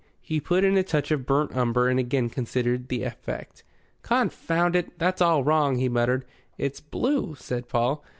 He put in a touch of burnt umber and again considered the effect. "Confound it! that's all wrong," he muttered. "It's blue," said Paul.